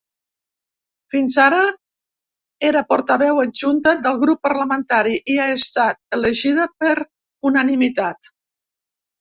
Fins ara era portaveu adjunta del grup parlamentari i ha estat elegida per unanimitat.